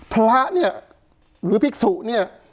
พระเนี่ยหรือภิกษุเนี่ย